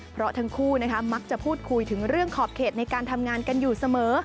เพราะทั้งคู่มักจะพูดคุยถึงเรื่องขอบเขตในการทำงานกันอยู่เสมอ